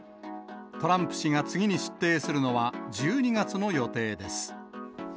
トランプ氏が次に出廷するのは１２月の予定です。